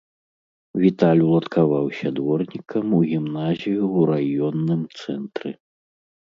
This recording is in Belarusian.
Віталь уладкаваўся дворнікам у гімназію ў раённым цэнтры.